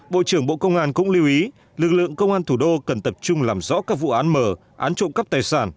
bộ trưởng bộ công an cũng lưu ý lực lượng công an thủ đô cần tập trung làm rõ các vụ án mở án trộm cắp tài sản